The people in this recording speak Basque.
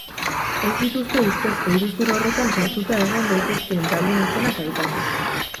Ez dituzte ustezko iruzur horretan sartuta egon daitezkeen taldeen izenak aipatu.